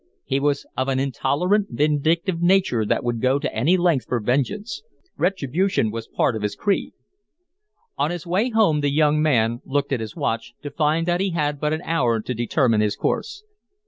He was of an intolerant, vindictive nature that would go to any length for vengeance. Retribution was part of his creed. On his way home, the young man looked at his watch, to find that he had but an hour to determine his course.